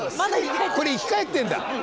これ生き返ってんだ。